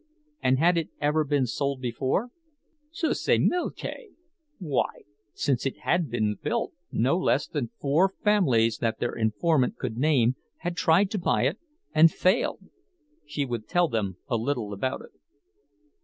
And had it ever been sold before? Susimilkie! Why, since it had been built, no less than four families that their informant could name had tried to buy it and failed. She would tell them a little about it.